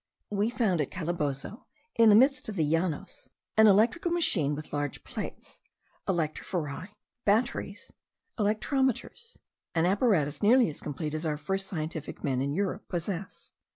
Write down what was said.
We found at Calabozo, in the midst of the Llanos, an electrical machine with large plates, electrophori, batteries, electrometers; an apparatus nearly as complete as our first scientific men in Europe possess.